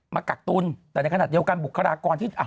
กักตุลแต่ในขณะเดียวกันบุคลากรที่